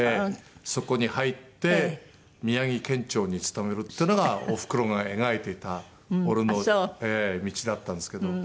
そこに入って宮城県庁に勤めるっていうのがおふくろが描いていた俺の道だったんですけど。